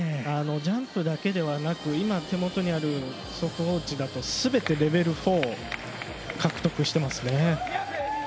ジャンプだけではなく手元にある速報値だと、すべてレベル４を獲得していますね。